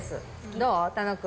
どう？